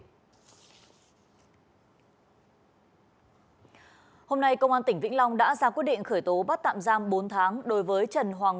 hôm nay công an tỉnh vĩnh long đã ra quyết định khởi tố bắt tạm giam bốn tháng đối với trần hoàng